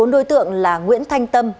bốn đối tượng là nguyễn thanh tâm